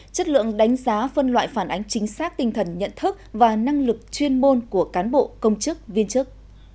chất lượng đánh giá phân loại phản ánh chính xác tinh thần nhận thức và năng lực chuyên môn của cán bộ công chức viên chức